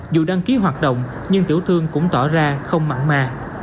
dù đăng ký hoạt động nhưng tiểu thương cũng tỏ ra không mặn mà